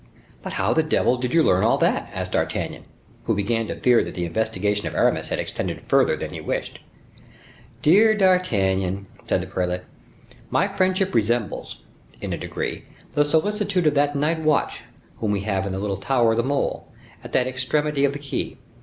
"But how the devil did you learn all that?" asked D'Artagnan, who began to fear that the investigation of Aramis had extended further than he wished. "Dear D'Artagnan," said the prelate, "my friendship resembles, in a degree, the solicitude of that night watch whom we have in the little tower of the mole, at the extremity of the quay.